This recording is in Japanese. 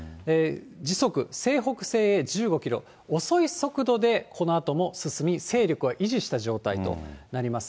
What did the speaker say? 時速、西北西へ１５キロ、遅い速度でこのあとも進み、勢力は維持した状態となります。